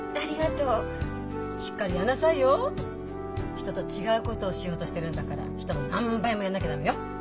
人と違うことをしようとしてるんだから人の何倍もやんなきゃ駄目よ！